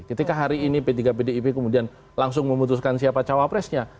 ketika hari ini p tiga pdip kemudian langsung memutuskan siapa cawapresnya